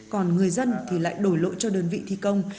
còn người dân thì lại đổi lộ cho đơn vị thi công